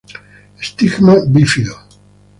Estigma bífido.